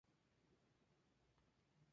Es hija de Antonio y Mercedes.